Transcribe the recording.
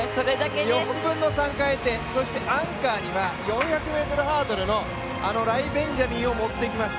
４分の３変え、アンカーには４００ｍハードルのライ・ベンジャミンを持ってきました。